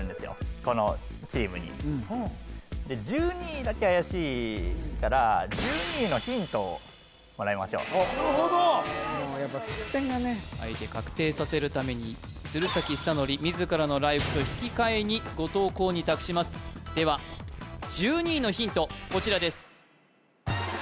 このチームにで１２位だけ怪しいから１２位のヒントをもらいましょうなるほどやっぱ作戦がねあえて確定させるために鶴崎修功自らのライフと引き換えに後藤弘に託しますではあえっ？